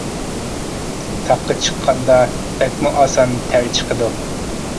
تاغقا چىققاندا بەكمۇ ئاسان تەر چىقىدۇ.